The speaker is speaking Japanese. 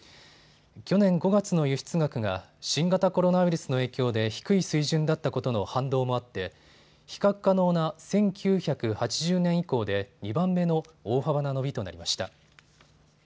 去年５月の輸出額が新型コロナウイルスの影響で低い水準だったことの反動もあって比較可能な１９８０年以降で２番目の大幅な伸びとなりました。